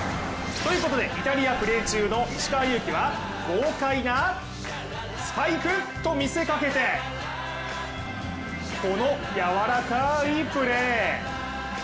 ということで、イタリアプレー中の石川祐希は豪快なスパイクと見せかけてこのやわらかいプレー。